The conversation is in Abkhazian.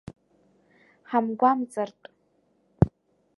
Ҳамгәамҵыртә…